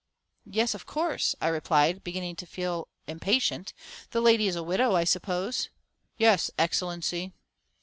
"Yes, of course," I replied, beginning to feel impatient; "the lady is a widow, I suppose?" "Yes, Excellency."